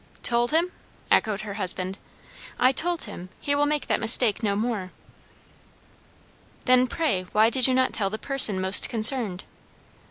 "Told him!" echoed her husband. "I told him. He will make that mistake no more." "Then, pray, why did you not tell the person most concerned?"